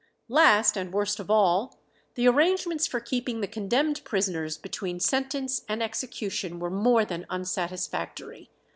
Last, and worst of all, the arrangements for keeping the condemned prisoners between sentence and execution were more than unsatisfactory.